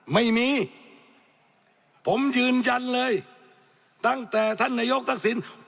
ไม่มีผมยืนยันเลยตั้งแต่ท่านนายกทักษิณ